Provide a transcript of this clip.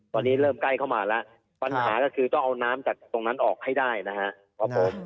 ตอนนี้เริ่มใกล้เข้ามาแล้วปัญหาก็คือต้องเอาน้ำจากตรงนั้นออกให้ได้นะครับผม